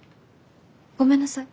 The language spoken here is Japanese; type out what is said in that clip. ごめんなさい。